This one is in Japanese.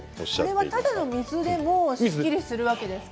あれはただの水でもすっきりするわけですか。